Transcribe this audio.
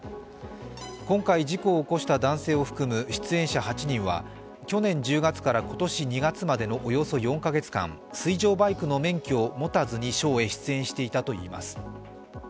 今回、事故を起こした男性を含む出演者８人は去年１０月から今年２月までのおよそ４カ月間、水上バイクの免許を持たずにショーへ出演していたといいます。